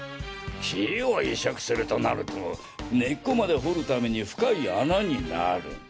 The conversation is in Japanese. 木を移植するとなると根っこまで掘る為に深い穴になる。